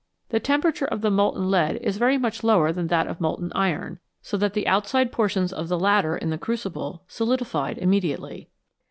The temperature of molten lead is very much lower than that of molten iron, so that the outside portions of the latter in the crucible solidified immediately.